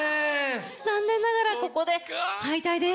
残念ながらここで敗退です。